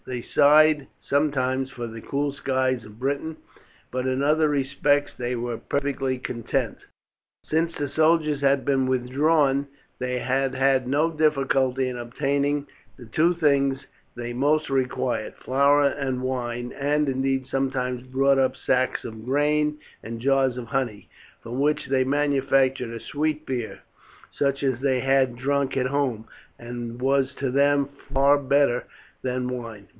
They sighed sometimes for the cool skies of Britain, but in other respects they were perfectly contented. Since the soldiers had been withdrawn they had had no difficulty in obtaining the two things they most required, flour and wine, and, indeed, sometimes brought up sacks of grain and jars of honey, from which they manufactured a sweet beer such as they had drunk at home, and was to them far better than wine.